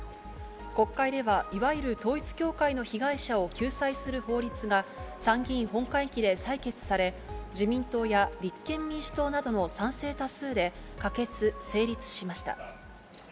国会では、いわゆる統一教会の被害者を救済する法律が参議院本会議で採決され、自民党や立憲民主党などの賛成多数で可決・成立しました。